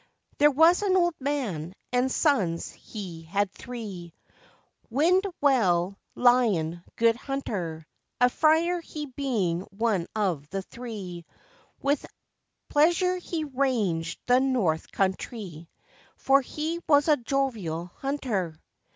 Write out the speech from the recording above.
] THERE was an old man, and sons he had three, Wind well, Lion, good hunter. A friar he being one of the three, With pleasure he rangèd the north country, For he was a jovial hunter.